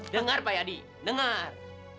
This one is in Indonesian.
dengar pak yadi dengar